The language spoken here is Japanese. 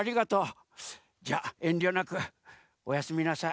じゃあえんりょなくおやすみなさい。